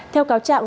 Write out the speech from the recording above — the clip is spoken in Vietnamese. theo cáo trạng